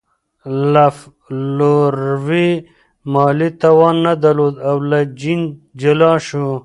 لفروی مالي توان نه درلود او له جین جلا شو.